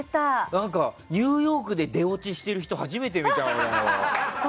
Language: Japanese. ニューヨークで出オチしてる人初めて見た、俺。